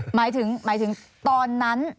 หมายถึงหมายถึงตอนนั้น